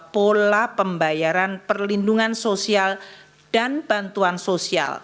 pola pembayaran perlindungan sosial dan bantuan sosial